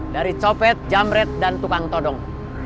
dari copet jamret dan tukang todong